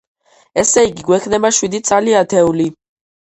ესე იგი, გვექნება შვიდი ცალი ათეული.